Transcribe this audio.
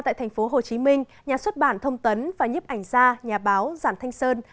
tại thành phố hồ chí minh nhà xuất bản thông tấn và nhiếp ảnh gia nhà báo giản thanh sơn